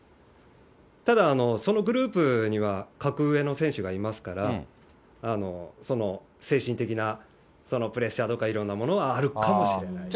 ただ、そのグループには格上の選手がいますから、精神的なプレッシャーとかいろんなものはあるかもしれないです。